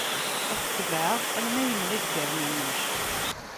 Ad t-tebɛeɣ alamma imɣi-d gerninuc.